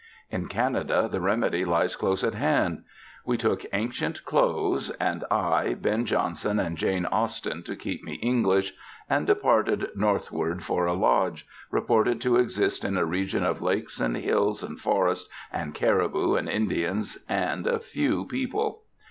In Canada the remedy lies close at hand. We took ancient clothes and I, Ben Jonson and Jane Austen to keep me English and departed northward for a lodge, reported to exist in a region of lakes and hills and forests and caribou and Indians and a few people.